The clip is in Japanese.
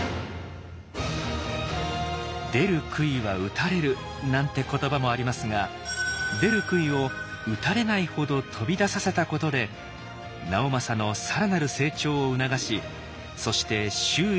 「出る杭は打たれる」なんて言葉もありますが出る杭を打たれないほど飛び出させたことで直政の更なる成長を促しそして周囲にも認めさせた家康。